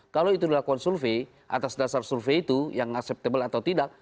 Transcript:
kalau itu dilakukan survei atas dasar survei itu yang acceptable atau tidak